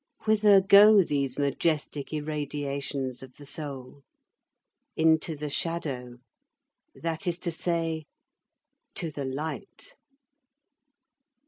Whither go these majestic irradiations of the soul? Into the shadow; that is to say, to the light.